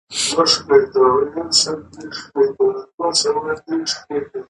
د غذایي ماکملونو استعمال د کولمو روغتیا ملاتړ کوي.